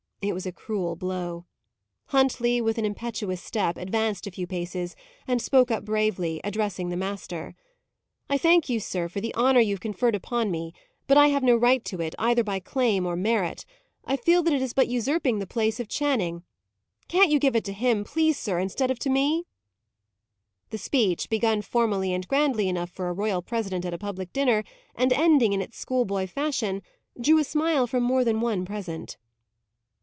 It was a cruel blow. Huntley, with an impetuous step, advanced a few paces, and spoke up bravely, addressing the master. "I thank you, sir, for the honour you have conferred upon me, but I have no right to it, either by claim or merit. I feel that it is but usurping the place of Channing. Can't you give it to him, please sir, instead of to me?" The speech, begun formally and grandly enough for a royal president at a public dinner, and ending in its schoolboy fashion, drew a smile from more than one present.